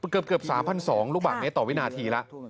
เกือบ๓๒๐๐ลูกบาทเมตรต่อวินาทีแล้ว